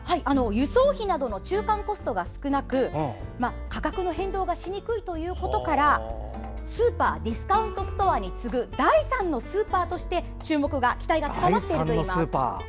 輸送費などの中間コストが少なく価格の変動がしにくいということからスーパーディスカウントストアに次ぐ第３のスーパーとして期待が高まっているといいます。